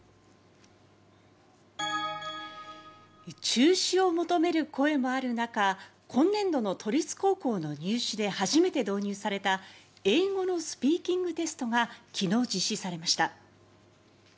中止を求める声もある中今年度の都立高校の入試で初めて導入された英語のスピーキングテストが昨日、実施されました。